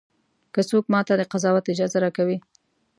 که څوک ماته د قضاوت اجازه راکوي.